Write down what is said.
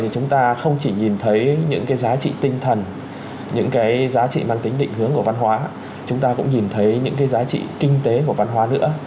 cũng nhìn thấy những cái giá trị kinh tế của văn hóa nữa